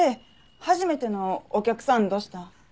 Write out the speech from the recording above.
初めてのお客さんどした。